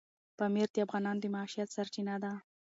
پامیر د افغانانو د معیشت سرچینه ده.